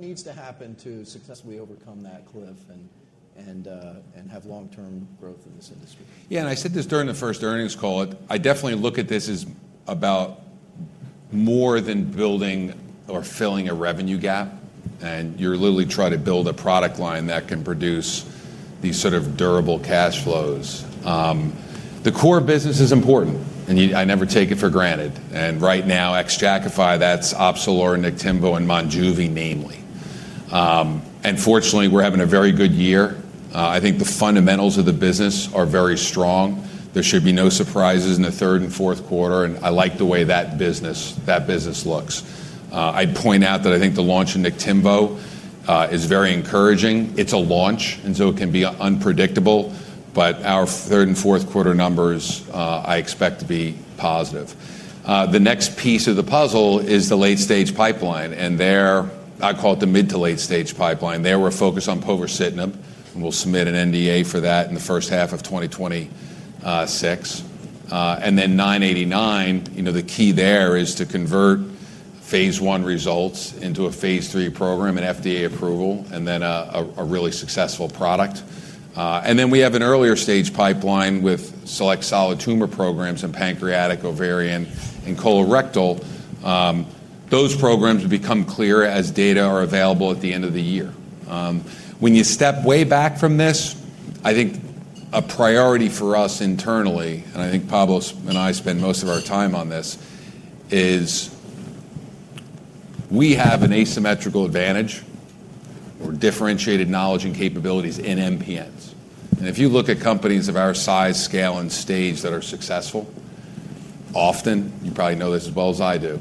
Needs to happen to successfully overcome that cliff and have long-term growth in this industry. Yeah, and I said this during the first earnings call. I definitely look at this as about more than building or filling a revenue gap. You're literally trying to build a product line that can produce these sort of durable cash flows. The core business is important. I never take it for granted. Right now, ex-Jakafi, that's OPZELURA, Niktimvo, a nd Monjuvi, namely. Fortunately, we're having a very good year. I think the fundamentals of the business are very strong. There should be no surprises in the third and fourth quarter. I like the way that business looks. I'd point out that I think the launch in Niktimvo is very encouraging. It's a launch, and it can be unpredictable. Our third and fourth quarter numbers, I expect to be positive. The next piece of the puzzle is the late-stage pipeline. I call it the mid-to-late stage pipeline. There, we're focused on povorcitinib. We'll submit an NDA for that in the first half of 2026. Then INCB989, you know, the key there is to convert phase I results into a phase III program and FDA approval, and then a really successful product. We have an earlier- stage pipeline with select solid tumor programs in pancreatic, ovarian, and colorectal. Those programs become clear as data are available at the end of the year. When you step way back from this, I think a priority for us internally, and I think Pablo and I spend most of our time on this, is we have an asymmetrical advantage or differentiated knowledge and capabilities in MPNs. If you look at companies of our size, scale, and stage that are successful, often, you probably know this as well as I do,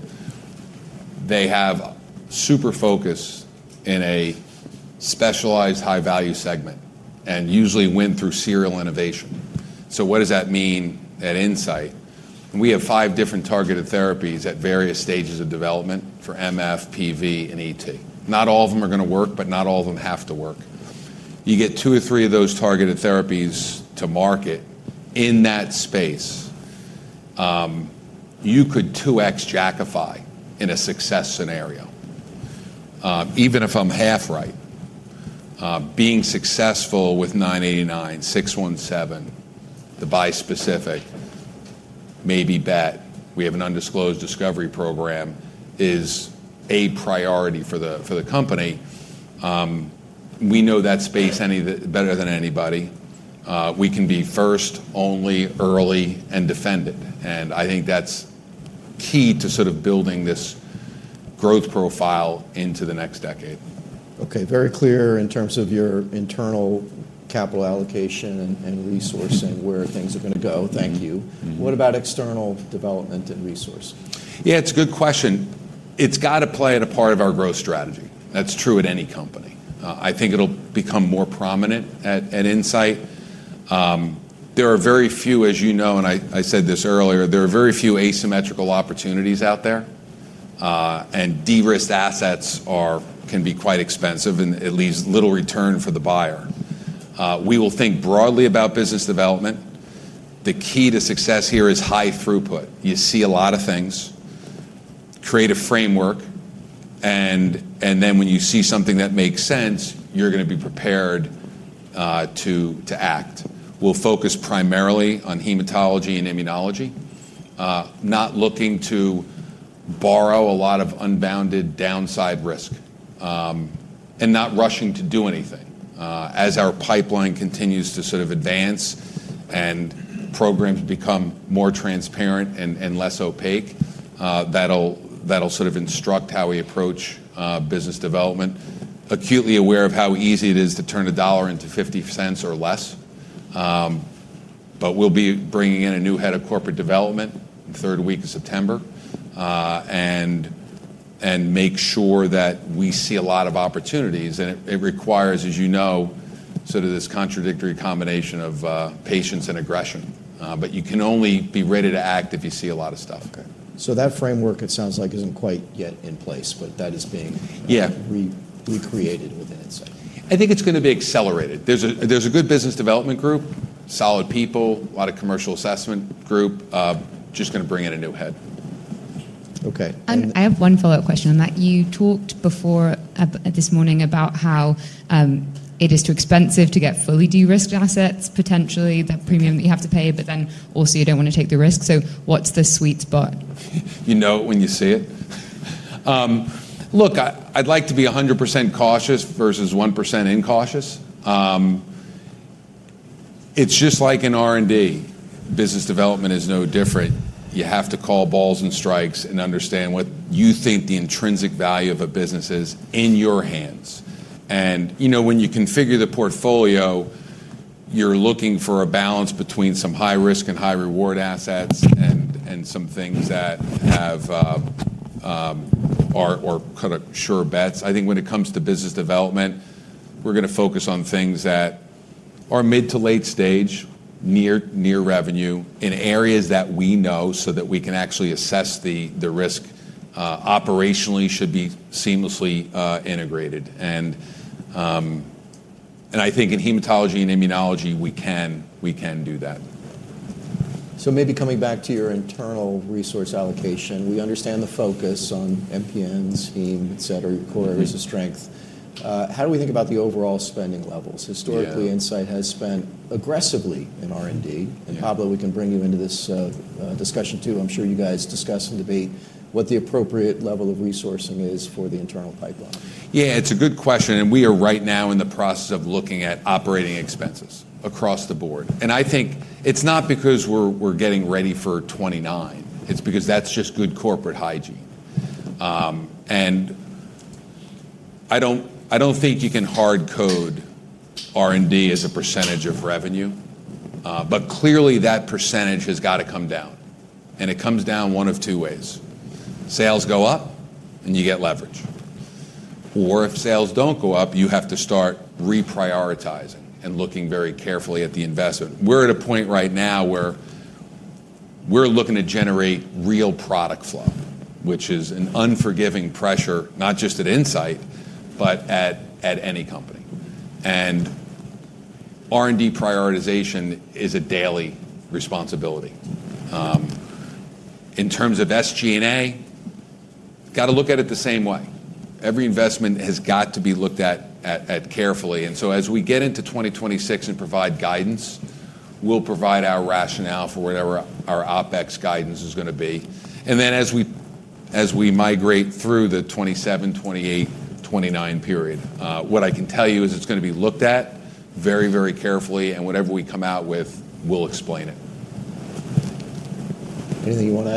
they have super focus in a specialized high-value segment and usually win through serial innovation. What does that mean at Incyte? We have five different targeted therapies at various stages of development for MF, PV, and ET. Not all of them are going to work, but not all of them have to work. You get two or three of those targeted therapies to market in that space, you could 2x Jakafi in a success scenario. Even if I'm half right, being successful with INCB989, V617F, the bi-specific, maybe bet, we have an undisclosed discovery program, is a priority for the company. We know that space better than anybody. We can be first, only, early, and defend it. I think that's key to sort of building this growth profile into the next decade. Okay, very clear in terms of your internal capital allocation and resourcing where things are going to go. Thank you. What about external development and resource? Yeah, it's a good question. It's got to play a part in our growth strategy. That's true at any company. I think it'll become more prominent at Incyte. There are very few, as you know, and I said this earlier, there are very few asymmetrical opportunities out there. De-risked assets can be quite expensive, and it leaves little return for the buyer. We will think broadly about business development. The key to success here is high throughput. You see a lot of things, create a framework, and then when you see something that makes sense, you're going to be prepared to act. We'll focus primarily on hematology and immunology, not looking to borrow a lot of unbounded downside risk, and not rushing to do anything. As our pipeline continues to sort of advance and programs become more transparent and less opaque, that'll sort of instruct how we approach business development. Acutely aware of how easy it is to turn a dollar into $0.50 or less, but we'll be bringing in a new Head of Corporate Development in the third week of September and make sure that we see a lot of opportunities. It requires, as you know, sort of this contradictory combination of patience and aggression, but you can only be ready to act if you see a lot of stuff. Okay. That framework, it sounds like, isn't quite yet in place, but that is being recreated within itself. I think it's going to be accelerated. There's a good business development group, solid people, a lot of commercial assessment group, just going to bring in a new Head. Okay. I have one follow-up question on that. You talked before this morning about how it is too expensive to get fully de-risked assets, potentially that premium that you have to pay, but then also you don't want to take the risk. What's the sweet spot? You know it when you see it. Look, I'd like to be 100% cautious versus 1% incautious. It's just like in R&D. Business development is no different. You have to call balls and strikes and understand what you think the intrinsic value of a business is in your hands. When you configure the portfolio, you're looking for a balance between some high-risk and high-reward assets and some things that are, or kind of sure bets. I think when it comes to business development, we're going to focus on things that are mid to late stage, near revenue in areas that we know so that we can actually assess the risk. Operationally, it should be seamlessly integrated. I think in hematology and immunology, we can do that. Maybe coming back to your internal resource allocation, we understand the focus on MPNs, team, et cetera, core business strength. How do we think about the overall spending levels? Historically, Incyte has spent aggressively in R&D. Pablo, we can bring you into this discussion too. I'm sure you guys discuss and debate what the appropriate level of resourcing is for the internal pipeline. Yeah, it's a good question. We are right now in the process of looking at operating expenses across the board. I think it's not because we're getting ready for 2029, it's because that's just good corporate hygiene. I don't think you can hard- code R&D as a percentage of revenue, but clearly that percentage has got to come down. It comes down one of two ways. Sales go up and you get leverage, or if sales don't go up, you have to start reprioritizing and looking very carefully at the investment. We're at a point right now where we're looking to generate real product flow, which is an unforgiving pressure, not just at Incyte, but at any company. R&D prioritization is a daily responsibility. In terms of SG&A, got to look at it the same way. Every investment has got to be looked at carefully. As we get into 2026 and provide guidance, we'll provide our rationale for whatever our OpEx guidance is going to be. As we migrate through the 2027, 2028, 2029 period, what I can tell you is it's going to be looked at very, very carefully. Whatever we come out with, we'll explain it. Anything you want to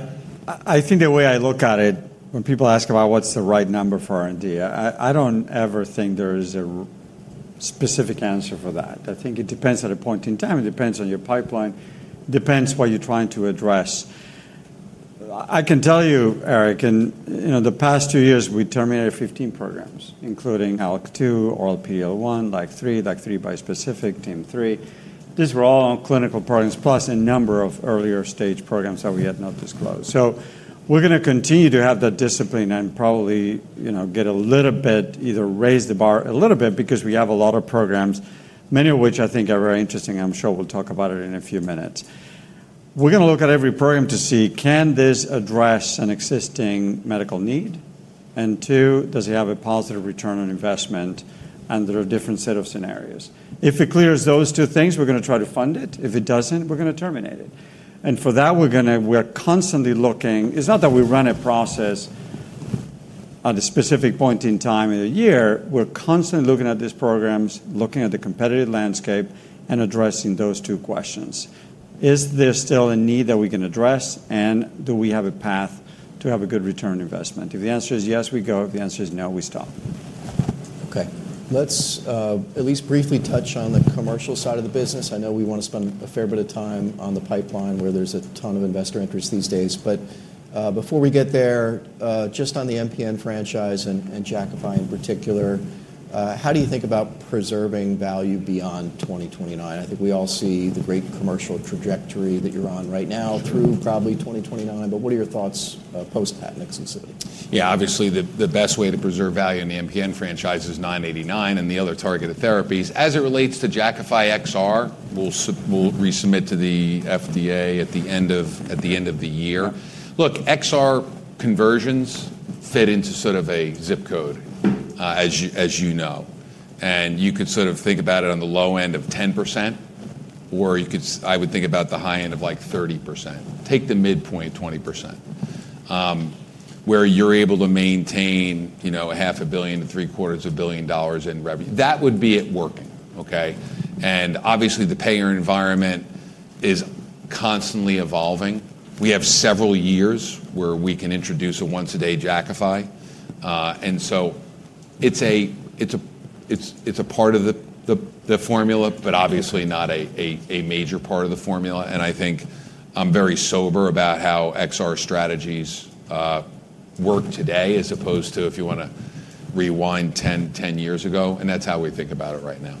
add? I think the way I look at it, when people ask about what's the right number for R&D, I don't ever think there is a specific answer for that. I think it depends on a point in time. It depends on your pipeline. It depends what you're trying to address. I can tell you, Eric, in the past two years, we terminated 15 programs, including ALK2, OLPL1, Like 3, Like 3 bispecific, TIM3. These were all clinical programs, plus a number of earlier stage programs that we had not disclosed. We're going to continue to have that discipline and probably, you know, get a little bit either raise the bar a little bit because we have a lot of programs, many of which I think are very interesting. I'm sure we'll talk about it in a few minutes. We're going to look at every program to see, can this address an existing medical need? And two, does it have a positive return on investment under a different set of scenarios? If it clears those two things, we're going to try to fund it. If it doesn't, we're going to terminate it. For that, we're constantly looking. It's not that we run a process at a specific point in time in the year. We're constantly looking at these programs, looking at the competitive landscape, and addressing those two questions. Is there still a need that we can address? Do we have a path to have a good return on investment? If the answer is yes, we go. If the answer is no, we stop. Okay. Let's at least briefly touch on the commercial side of the business. I know we want to spend a fair bit of time on the pipeline where there's a ton of investor interest these days. Before we get there, just on the MPN franchise and Jakafi in particular, how do you think about preserving value beyond 2029? I think we all see the great commercial trajectory that you're on right now through probably 2029. What are your thoughts post patent exclusivity? Yeah, obviously the best way to preserve value in the MPN franchise is INCB989 and the other targeted therapies. As it relates to Jakafi XR, we'll resubmit to the FDA at the end of the year. Look, XR conversions fit into sort of a zip code, as you know. You could sort of think about it on the low end of 10%, or you could, I would think about the high end of like 30%. Take the midpoint of 20%, where you're able to maintain, you know, $500 million- $750 million in revenue. That would be it working. Okay. Obviously the payer environment is constantly evolving. We have several years where we can introduce a once-a-day Jakafi, and so it's a part of the formula, but obviously not a major part of the formula. I think I'm very sober about how XR strategies work today as opposed to if you want to rewind 10 years ago. That's how we think about it right now.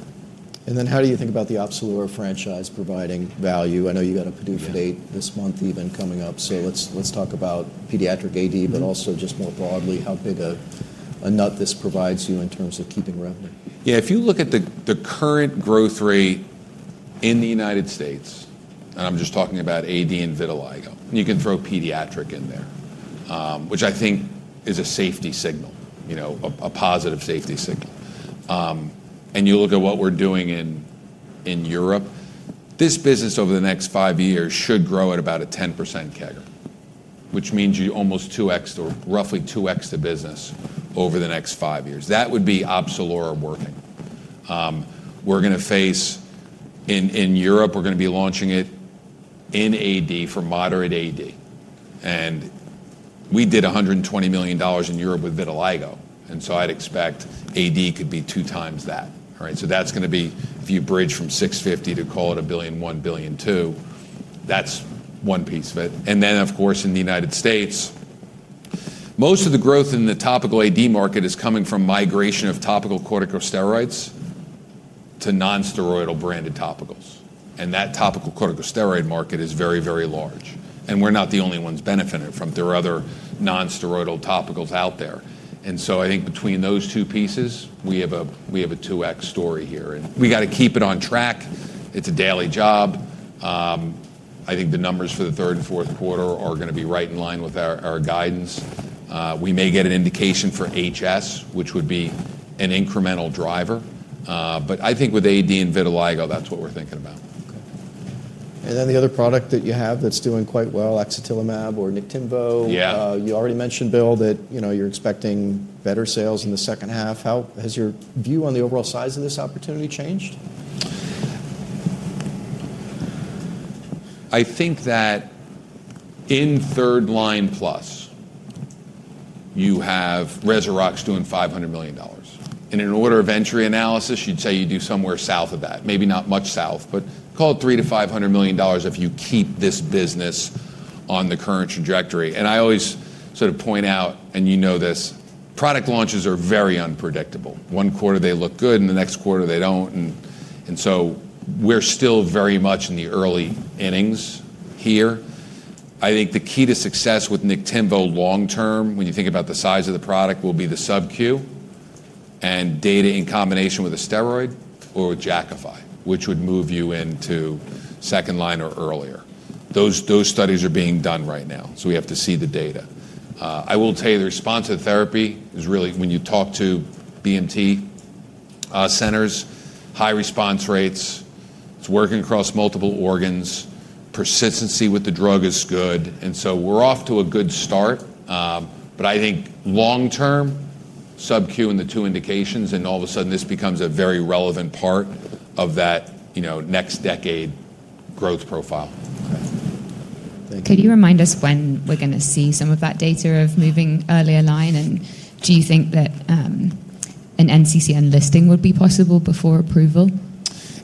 How do you think about the OPZELURA f ranchise providing value? I know you got a PDUFA date this month even coming up. Let's talk about pediatric AD, but also just more broadly how big a nut this provides you in terms of keeping revenue. Yeah, if you look at the current growth rate in the United States, and I'm just talking about AD and vitiligo, and you can throw pediatric in there, which I think is a safety signal, you know, a positive safety signal, and you look at what we're doing in Europe, this business over the next five years should grow at about a 10% CAGR, which means you're almost 2x, roughly 2x the business over the next five years. That would be OPZELURA working. We're going to face in Europe, we're going to be launching it in AD for moderate AD. We did $120 million in Europe with vitiligo, and I'd expect AD could be 2x that. All right. That's going to be, if you bridge from $650 million to call it $1 billion, $1.2 billion, that's one piece of it. Of course, in the United States, most of the growth in the topical AD market is coming from migration of topical corticosteroids to non-steroidal branded topicals. That topical corticosteroid market is very, very large, and we're not the only ones benefiting from it. There are other non-steroidal topicals out there. I think between those two pieces, we have a 2x story here, and we got to keep it on track. It's a daily job. I think the numbers for the third and fourth quarter are going to be right in line with our guidance. We may get an indication for HS, which would be an incremental driver, but I think with AD and vitiligo, that's what we're thinking about. Okay. The other product that you have that's doing quite well, Niktimvo. You already mentioned, Bill, that you're expecting better sales in the second half. How has your view on the overall size of this opportunity changed? I think that in third line plus, you have [Resurrex] doing $500 million. In an order of entry analysis, you'd say you do somewhere south of that, maybe not much south, but call it $300 million- $500 million if you keep this business on the current trajectory. I always sort of point out, and you know this, product launches are very unpredictable. One quarter they look good and the next quarter they don't. We're still very much in the early innings here. I think the key to success with Niktmvo long term, when you think about the size of the product, will be the sub-Q and data in combination with a steroid or with Jakafi, which would move you into second line or earlier. Those studies are being done right now. We have to see the data. I will tell you the response to therapy is really, when you talk to BNT centers, high response rates, it's working across multiple organs. Persistency with the drug is good. We're off to a good start. I think long term, sub-Q and the two indications, and all of a sudden this becomes a very relevant part of that next decade growth profile. Okay. Thank you. Could you remind us when we're going to see some of that data of moving earlier line? Do you think that an NCCN listing would be possible before approval?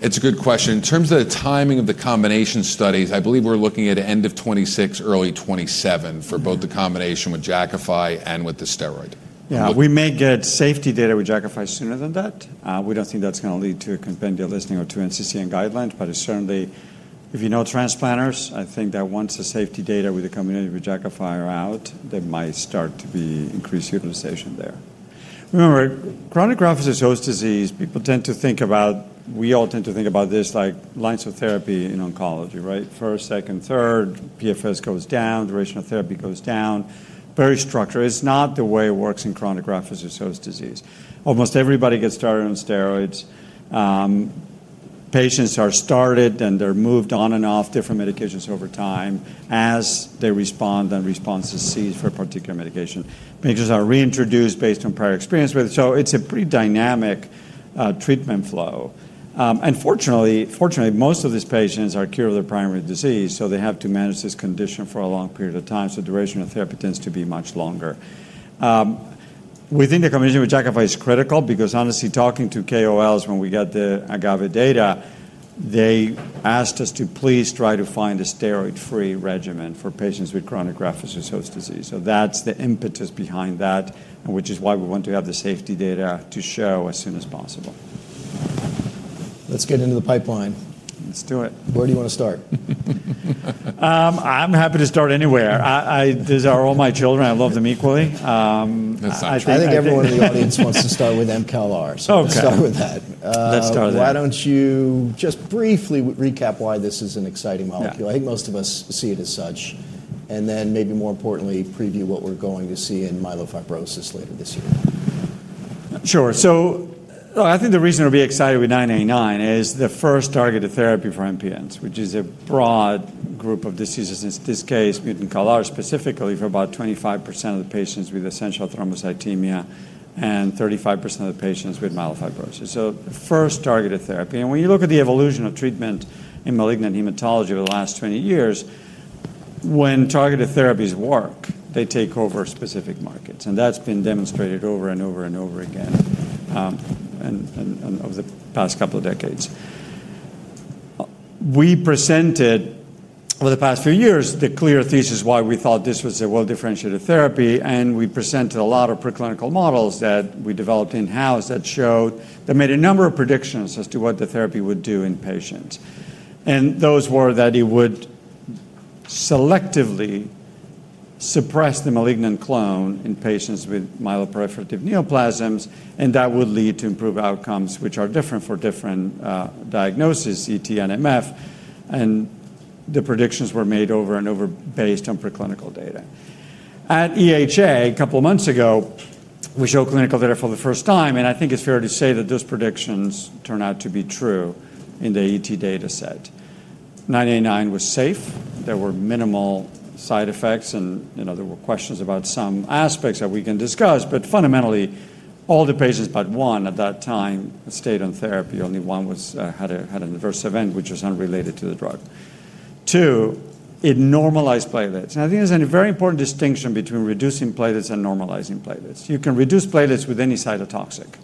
It's a good question. In terms of the timing of the combination studies, I believe we're looking at the end of 2026, early 2027 for both the combination with Jakafi and with the steroid. Yeah, we may get safety data with Jakafi sooner than that. We don't think that's going to lead to a compendial listing or to NCCN guidelines, but it's certainly, if you know transplanters, I think that once the safety data with the combination with Jakafi are out, there might start to be increased utilization there. Remember, chronic graft-associated disease, people tend to think about, we all tend to think about this like lines of therapy in oncology, right? First, second, third, PFS goes down, duration of therapy goes down, very structured. It's not the way it works in chronic graft-associated disease. Almost everybody gets started on steroids. Patients are started, then they're moved on and off different medications over time as they respond, then responses cease for a particular medication. Patients are reintroduced based on prior experience with it. It's a pretty dynamic treatment flow. Fortunately, most of these patients are cured of their primary disease, so they have to manage this condition for a long period of time. Duration of therapy tends to be much longer. We think the combination with Jakafi is critical because honestly, talking to KOLs, when we got the AGAVE data, they asked us to please try to find a steroid-free regimen for patients with chronic graft-associated disease. That's the impetus behind that, which is why we want to have the safety data to show as soon as possible. Let's get into the pipeline. Let's do it. Where do you want to start? I'm happy to start anywhere. These are all my children. I love them equally. I think everyone in the audience wants to start with mCALR. Let's start with that. Why don't you just briefly recap why this is an exciting molecule? I think most of us see it as such. Maybe more importantly, preview what we're going to see in myelofibrosis later this year. Sure. I think the reason it'll be exciting with INCB989 is the first targeted therapy for MPNs, which is a broad group of diseases, in this case, mCALR specifically for about 25% of the patients with essential thrombocythemia and 35% of the patients with myelofibrosis. The first targeted therapy. When you look at the evolution of treatment in malignant hematology over the last 20 years, when targeted therapies work, they take over specific markets. That's been demonstrated over and over again, over the past couple of decades. We presented over the past few years the clear thesis why we thought this was a well-differentiated therapy. We presented a lot of preclinical models that we developed in-house that showed, that made a number of predictions as to what the therapy would do in patients. Those were that it would selectively suppress the malignant clone in patients with myeloproliferative neoplasms. That would lead to improved outcomes, which are different for different diagnoses, ET and MF. The predictions were made over and over based on preclinical data. At EHA, a couple of months ago, we showed clinical data for the first time. I think it's fair to say that those predictions turned out to be true in the ET data set. INCB989 was safe. There were minimal side effects. There were questions about some aspects that we can discuss. Fundamentally, all the patients but one at that time stayed on therapy. Only one had an adverse event, which was unrelated to the drug. Two, it normalized platelets. I think there's a very important distinction between reducing platelets and normalizing platelets. You can reduce platelets with any cytotoxic.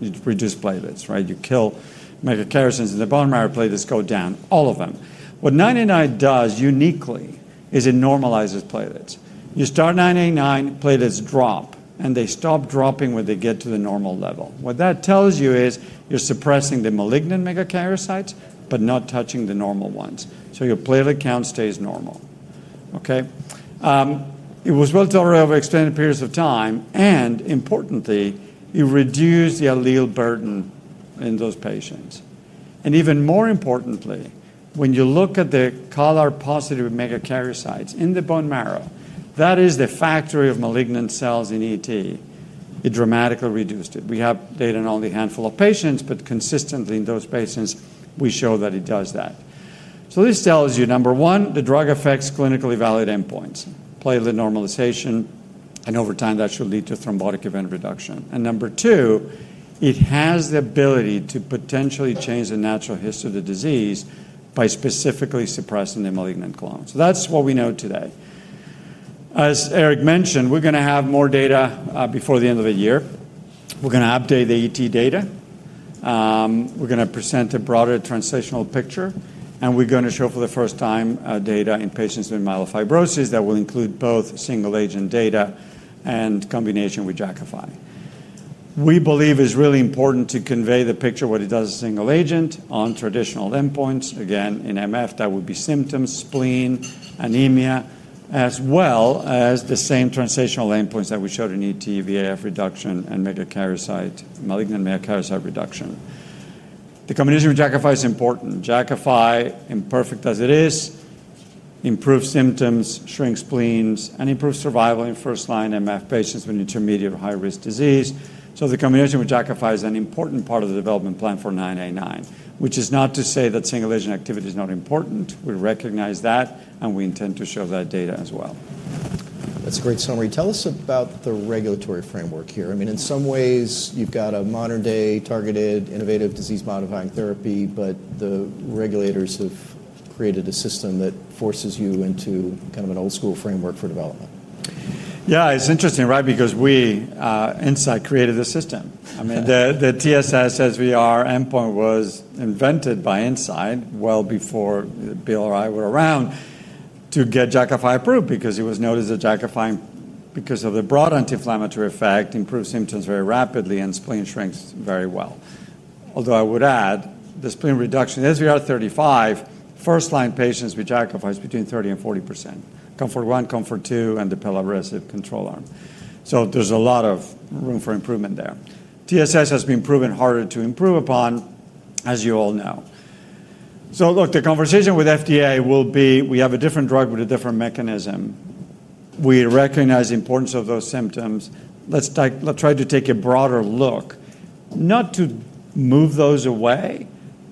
You reduce platelets, right? You kill malignant clones in the bone marrow. Platelets go down, all of them. What INCB989 does uniquely is it normalizes platelets. You start INCB989, platelets drop, and they stop dropping when they get to the normal level. What that tells you is you're suppressing the malignant megakaryocytes, but not touching the normal ones. Your platelet count stays normal. It was well tolerated over extended periods of time. Importantly, you reduce the allele burden in those patients. Even more importantly, when you look at the CALR positive megakaryocytes in the bone marrow, that is the factory of malignant cells in ET, it dramatically reduced it. We have data in only a handful of patients, but consistently in those patients, we show that it does that. This tells you, number one, the drug affects clinically valid endpoints, platelet normalization, and over time, that should lead to thrombotic event reduction. Number two, it has the ability to potentially change the natural history of the disease by specifically suppressing the malignant clone. That's what we know today. As Eric mentioned, we're going to have more data before the end of the year. We're going to update the ET data. We're going to present a broader translational picture. We're going to show for the first time data in patients with myelofibrosis that will include both single-agent data and combination with Jakafi. We believe it's really important to convey the picture of what it does as a single agent on traditional endpoints. Again, in MF, that would be symptoms, spleen, anemia, as well as the same translational endpoints that we showed in ET, VAF reduction, and malignant megakaryocyte reduction. The combination with Jakafi is important. Jakafi, imperfect as it is, improves symptoms, shrinks spleens, and improves survival in first-line MF patients with intermediate or high-risk disease. The combination with Jakafi is an important part of the development plan for INCB989, which is not to say that single-agent activity is not important. We recognize that, and we intend to show that data as well. That's a great summary. Tell us about the regulatory framework here. I mean, in some ways, you've got a modern-day targeted innovative disease-modifying therapy, but the regulators have created a system that forces you into kind of an old-school framework for development. Yeah, it's interesting, right? Because we, Incyte, created the system. I mean, the TSS, as we are, endpoint was invented by Incyte well before Bill or I were around to get Jakafi approved because it was noted that Jakafi, because of the broad anti-inflammatory effect, improves symptoms very rapidly and spleen shrinks very well. Although I would add, the spleen reduction, as we are 35%, first-line patients with Jakafi is between 30% and 40%. COMFORT-I, COMFORT-II, and the placebo-controlled arm. There's a lot of room for improvement there. TSS has been proven harder to improve upon, as you all know. The conversation with FDA will be, we have a different drug with a different mechanism. We recognize the importance of those symptoms. Let's try to take a broader look, not to move those away,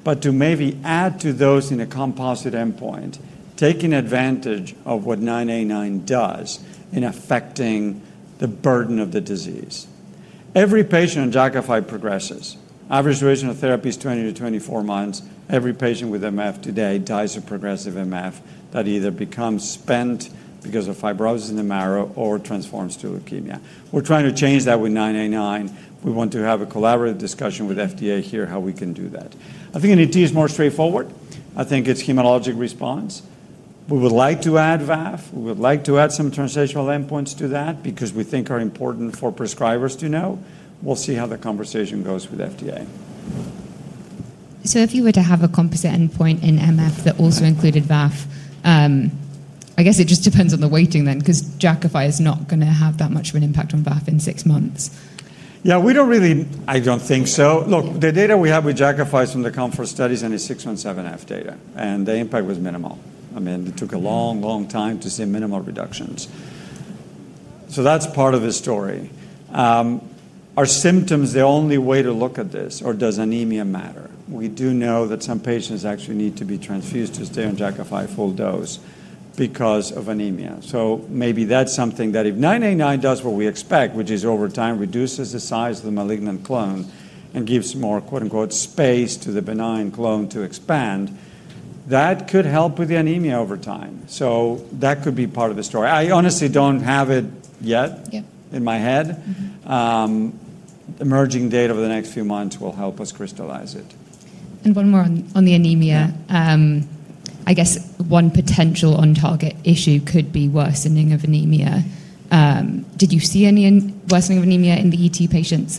but to maybe add to those in a composite endpoint, taking advantage of what INCB989 does in affecting the burden of the disease. Every patient on Jakafi progresses. Average duration of therapy is 20 months- 24 months. Every patient with myelofibrosis today dies of progressive myelofibrosis that either becomes spent because of fibrosis in the marrow or transforms to leukemia. We're trying to change that with INCB989. We want to have a collaborative discussion with FDA here how we can do that. I think in essential thrombocythemia it's more straightforward. I think it's a hematologic response. We would like to add VAF. We would like to add some translational endpoints to that because we think are important for prescribers to know. We'll see how the conversation goes with FDA. If you were to have a composite endpoint in myelofibrosis that also included VAF, I guess it just depends on the weighting then, because Jakafi is not going to have that much of an impact on VAF in six months. Yeah, we don't really, I don't think so. Look, the data we have with Jakafi is from the COMFORT studies and the V617F data, and the impact was minimal. I mean, it took a long, long time to see minimal reductions. That's part of the story. Are symptoms the only way to look at this, or does anemia matter? We do know that some patients actually need to be transfused to stay on Jakafi full dose because of anemia. Maybe that's something that if INCB989 does what we expect, which is over time reduces the size of the malignant clone and gives more, quote unquote, space to the benign clone to expand, that could help with the anemia over time. That could be part of the story. I honestly don't have it yet in my head. Emerging data over the next few months will help us crystallize it. One more on the anemia. I guess one potential on-target issue could be worsening of anemia. Did you see any worsening of anemia in the ET patients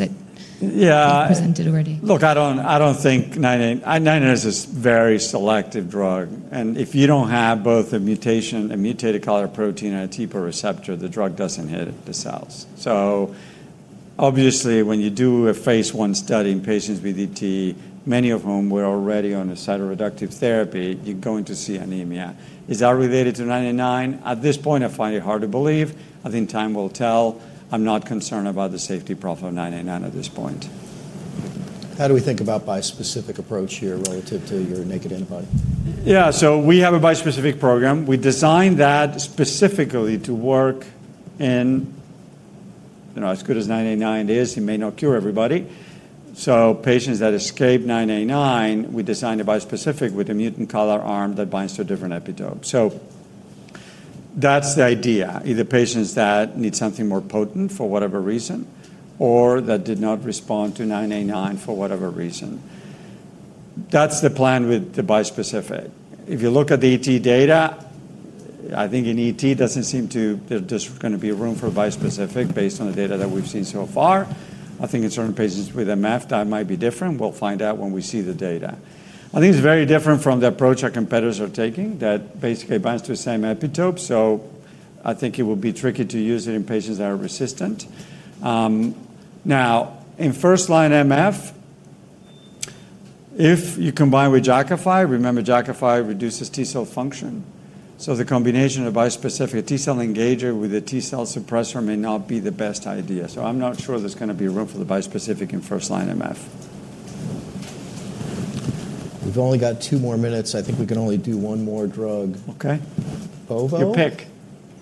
that you presented already? Look, I don't think INCB989 is a very selective drug. If you don't have both a mutation, a mutated CALR protein, and a TPO receptor, the drug doesn't hit the cells. Obviously, when you do a phase I study in patients with ET, many of whom were already on a cytoreductive therapy, you're going to see anemia. Is that related to IINCB989? At this point, I find it hard to believe. I think time will tell. I'm not concerned about the safety profile of INCB989 at this point. How do we think about a bi-specific approach here relative to your naked antibody? Yeah, we have a bi-specific program. We designed that specifically to work in, you know, as good as INCB989 is, it may not cure everybody. Patients that escaped INCB989, we designed a bi-specific with a mutant CALR arm that binds to a different epitope. That's the idea. Either patients that need something more potent for whatever reason, or that did not respond to INCB989 for whatever reason. That's the plan with the bi-specific. If you look at the essential thrombocythemia data, I think in essential thrombocythemia, it doesn't seem to, there's going to be room for bi-specific based on the data that we've seen so far. I think in certain patients with myelofibrosis, that might be different. We'll find out when we see the data. I think it's very different from the approach our competitors are taking that basically binds to the same epitope. I think it will be tricky to use it in patients that are resistant. Now, in first-line myelofibrosis, if you combine with Jakafi, remember Jakafi reduces T-cell function. The combination of bi-specific, a T-cell engager with a T-cell suppressor may not be the best idea. I'm not sure there's going to be room for the bi-specific in first-line myelofibrosis. We've only got two more minutes. I think we can only do one more drug. Okay. You pick.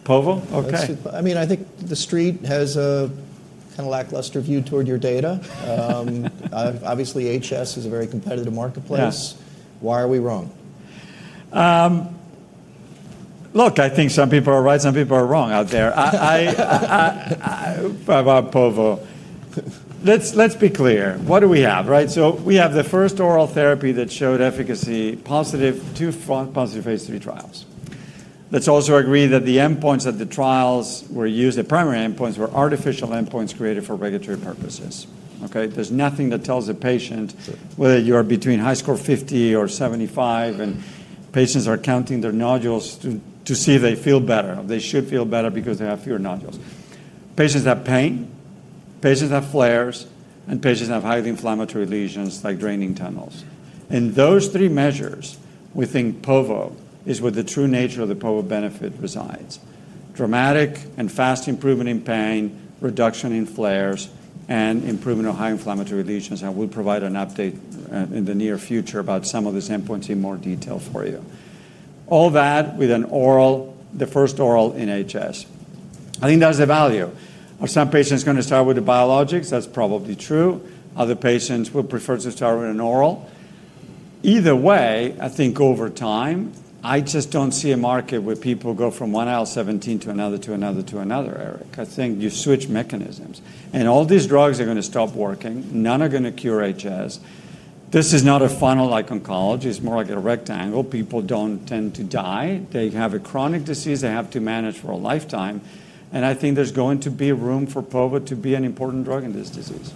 Povo? Okay. I mean, I think the street has a kind of lackluster view toward your data. Obviously, HS is a very competitive marketplace. Why are we wrong? Look, I think some people are right, some people are wrong out there. I'm povo. Let's be clear. What do we have, right? We have the first oral therapy that showed efficacy, positive two front, positive phase III trials. Let's also agree that the endpoints that the trials were used, the primary endpoints, were artificial endpoints created for regulatory purposes. There's nothing that tells a patient whether you are between high score 50 or 75, and patients are counting their nodules to see if they feel better. They should feel better because they have fewer nodules. Patients have pain, patients have flares, and patients have highly inflammatory lesions like draining tunnels. Those three measures within povo are where the true nature of the povo benefit resides. Dramatic and fast improvement in pain, reduction in flares, and improvement of high inflammatory lesions. We'll provide an update in the near future about some of these endpoints in more detail for you. All that with an oral, the first oral in HS. I think that's a value. Are some patients going to start with the biologics? That's probably true. Other patients will prefer to start with an oral. Either way, I think over time, I just don't see a market where people go from one IL-17 to another to another to another, Eric. I think you switch mechanisms. All these drugs are going to stop working. None are going to cure HS. This is not a funnel like oncology. It's more like a rectangle. People don't tend to die. They have a chronic disease they have to manage for a lifetime. I think there's going to be room for Povo to be an important drug in this disease.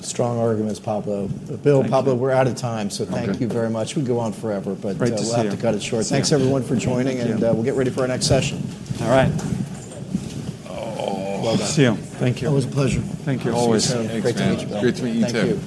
Strong arguments, Pablo. Bill, Pablo, we're out of time. Thank you very much. We could go on forever, but we just have to cut it short. Thanks everyone for joining, and we'll get ready for our next session. All right. Thank you. That was a pleasure. Thank you. Always. Great to meet you, Bill. Great to meet you, too.